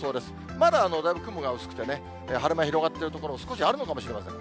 まだだいぶ雲が薄くてね、晴れ間広がっている所も少しあるのかもしれません。